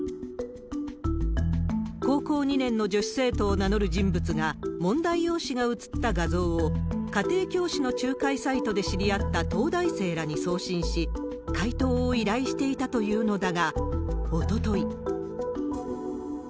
高校２年の女子生徒を名乗る人物が、問題用紙が写った画像を、家庭教師の仲介サイトで知り合った東大生らに送信し、解答を依頼していたというのだが、おととい。